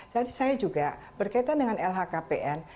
jadi saya juga berkaitan dengan lhkpn